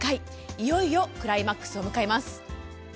いよいよクライマックスを迎えます。